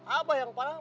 abah yang parah sok